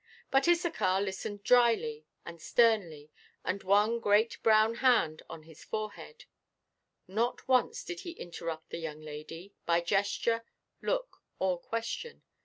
But Issachar listened dryly and sternly, with one great brown hand on his forehead. Not once did he interrupt the young lady, by gesture, look, or question.